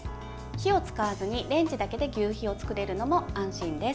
火を使わずにレンジだけで求肥を作れるのも安心です。